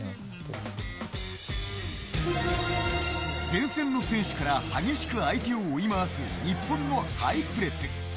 前線の選手から激しく相手を追い回す日本のハイプレス。